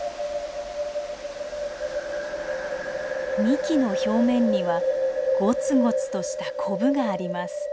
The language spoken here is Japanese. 幹の表面にはゴツゴツとしたコブがあります。